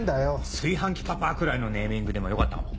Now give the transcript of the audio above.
「炊飯器パパ」くらいのネーミングでもよかったかも。